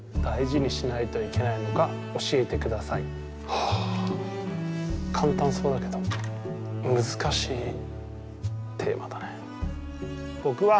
はあ、簡単そうだけど難しいテーマだな。